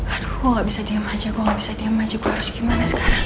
aduh gue gak bisa diem aja gue gak bisa diem aja gue harus gimana sekarang